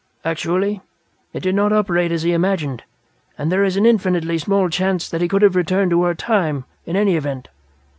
"Actually, it did not operate as he imagined and there is an infinitely small chance that he could have returned to our 'time', in any event.